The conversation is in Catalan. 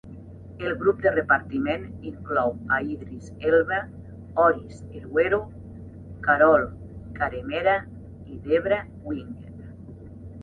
El grup de repartiment inclou a Idris Elba, Oris Erhuero, Carole Karemera i Debra Winger.